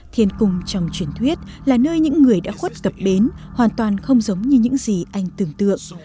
thiền cung trong truyền thuyết là nơi những người đã khuất cập bến hoàn toàn không giống như những gì anh từng biết